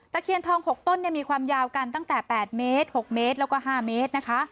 เคียนทอง๖ต้นมีความยาวกันตั้งแต่๘เมตร๖เมตรแล้วก็๕เมตรนะคะ